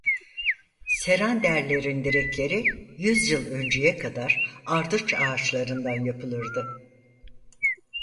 Seranderlerin direkleri yüz yıl önceye kadar ardıç ağaçlarından yapılırdı.